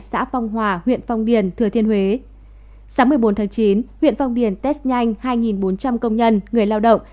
sáng một mươi bốn tháng chín huyện phong điền test nhanh hai bốn trăm linh công nhân người lao động